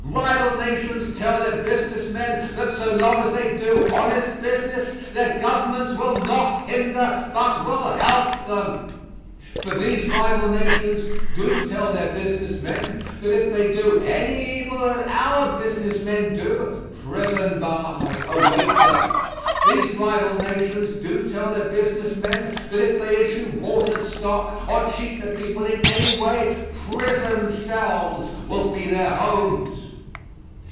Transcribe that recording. Rival nations tell their business men that so long as they do honest business their governments will not hinder but will help them. But these rival nations do tell their business men that if they do any evil that our business men do, prison bars await them. These rival nations do tell their business men that if they issue watered stock or cheat the people in any way, prison cells will be their homes.